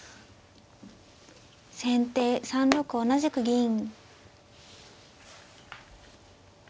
先手３六同じく銀。